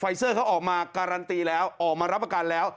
เซอร์เขาออกมาการันตีแล้วออกมารับประกันแล้ว